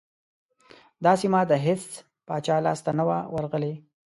دا سیمه د هیڅ پاچا لاسته نه وه ورغلې.